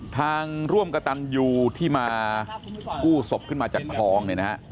ทางร่วมกระตันอยู่ที่มากู้ศพขึ้นมาจากคลอง